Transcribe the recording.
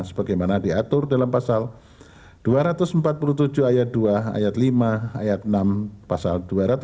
sebagaimana diatur dalam pasal dua ratus empat puluh tujuh ayat dua ayat lima ayat enam pasal dua ratus enam puluh